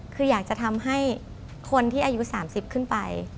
คืออยากจะทำให้คนที่อายุ๓๐ขึ้นไป